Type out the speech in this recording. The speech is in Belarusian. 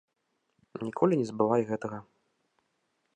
Ніколі не забывай гэтага.